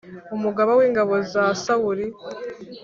umugaba w’ingabo za Sawuli